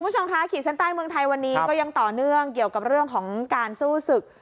คุณผู้ชมคะขีดเส้นใต้เมืองไทยวันนี้ก็ยังต่อเนื่องเกี่ยวกับเรื่องของการสู้ศึก